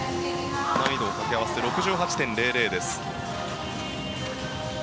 難易度を掛け合わせて６８．００です。